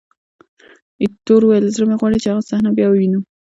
ایټور وویل: زړه مې غواړي چې هغه صحنه بیا ووینم.